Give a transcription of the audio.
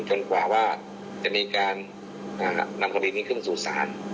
กว่าว่าจะมีการนำคดีนี้ขึ้นสู่ศาล